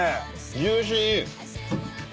ジューシー！